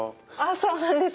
そうなんです。